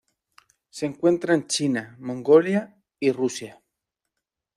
Se encuentra en China, Mongolia, y Rusia.